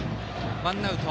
ワンアウト。